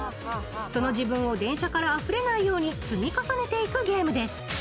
その自分を電車からあふれないように積み重ねていくゲームです。